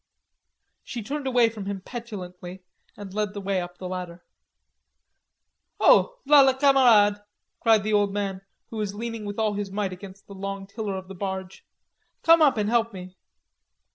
She turned away from him petulantly and led the way up the ladder. "Oh, v'la le camarade," cried the old man who was leaning with all his might against the long tiller of the barge. "Come and help me."